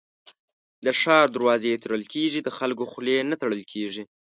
د ښار دروازې تړل کېږي ، د خلکو خولې نه تړل کېږي.